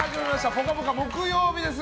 「ぽかぽか」木曜日です。